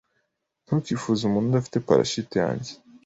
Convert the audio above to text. Ntukifuze umuntu udafite parashute yanjye